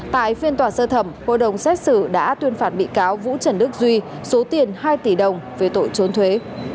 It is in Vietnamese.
tại phiên tòa sơ thẩm hội đồng xét xử đã tuyên phạt bị cáo vũ trần đức duy số tiền hai tỷ đồng về tội trốn thuế